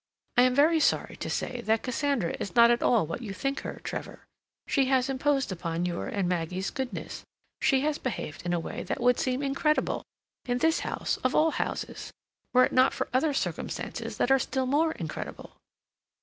"I am very sorry to say that Cassandra is not at all what you think her, Trevor. She has imposed upon your and Maggie's goodness. She has behaved in a way that would have seemed incredible—in this house of all houses—were it not for other circumstances that are still more incredible."